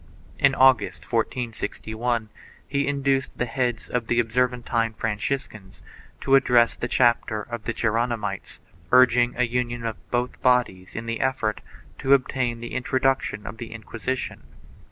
In August, 1461, he induced the heads of the Obser van tine Franciscans to address the chapter of the Geronimites urging a union of both bodies in 1 the effort to obtain the introduction of the Inquisition.